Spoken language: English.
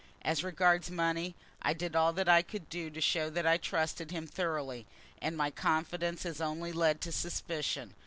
As regards money, I did all that I could do to show that I trusted him thoroughly, and my confidence has only led to suspicion.